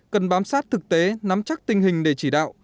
cần bám sát thực tế nắm chắc tình hình để chỉ đạo